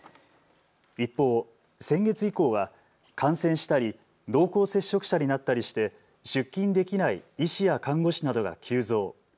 一方、先月以降は感染したり濃厚接触者になったりして出勤できない医師や看護師などが急増。